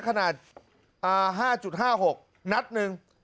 ขนาด๕๕๖นัดหนึ่ง